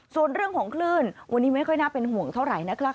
ส่วนเรื่องของคลื่นวันนี้ไม่ค่อยน่าเป็นห่วงเท่าไหร่นะคะ